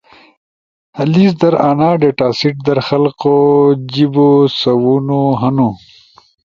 لیس در آنا ڈیٹا سیٹ در خلکو جیبو سوونو ہنُو۔